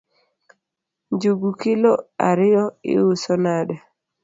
Njugu kilo ariyo iuso nade?